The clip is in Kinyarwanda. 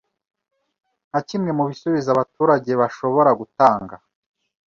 Nka kimwe mu bisubizo abaturage bashobora gutanga